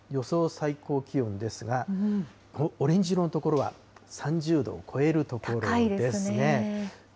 最高気温ですが、オレンジ色の所は３０度を超える所ですね。ですね。